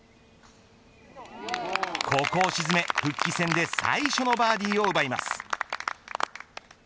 ここを沈め、復帰戦で最初のバーディーを奪います。